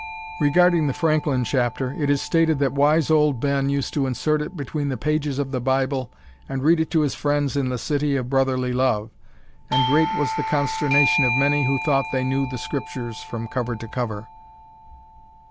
Regarding the Franklin chapter, it is stated that "Wise Old Ben" used to insert it between the pages of the Bible and read it to his friends in the City of Brotherly Love, and great was the consternation of many who thought they knew the Scriptures from "cover to cover."